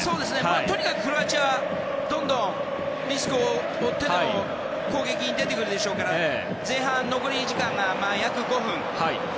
とにかくクロアチアはどんどん、リスクを負ってでも攻撃に出てくるでしょうから前半残り時間が約５分。